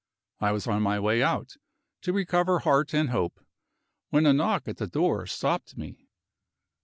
I was on my way out, to recover heart and hope, when a knock at the door stopped me.